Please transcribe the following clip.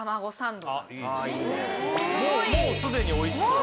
もうすでにおいしそう。